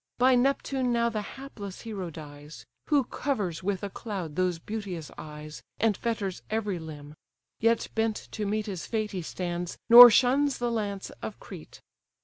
By Neptune now the hapless hero dies, Who covers with a cloud those beauteous eyes, And fetters every limb: yet bent to meet His fate he stands; nor shuns the lance of Crete.